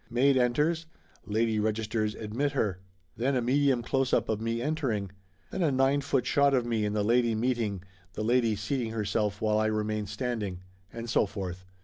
Maid enters. Lady registers "Admit her." Then a medium close up of me entering. Then a nine 1 foot shot of me and the lady meeting, the lady seating herself while I remain standing. And so forth.